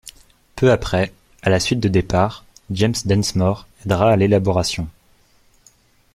Peu après, à la suite de départs, James Densmore aidera à l'élaboration.